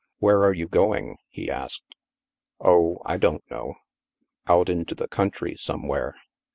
" Where are you going ?" he asked. " Oh, I don't know. Out into the country some where.